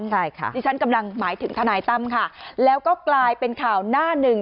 ใช่ค่ะที่ฉันกำลังหมายถึงทนายตั้มค่ะแล้วก็กลายเป็นข่าวหน้าหนึ่ง